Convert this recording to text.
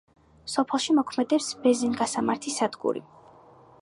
სოფელში მოქმედებს ბენზინგასამართი სადგური.